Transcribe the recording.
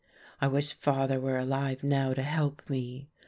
I wish father were alive now to help me.